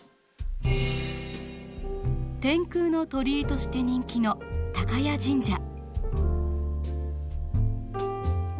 天空の鳥居として人気の高屋神社。